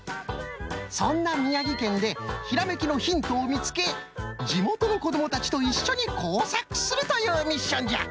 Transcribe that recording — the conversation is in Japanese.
そんな宮城県でひらめきのヒントを見つけ地元の子どもたちといっしょに工作するというミッションじゃ！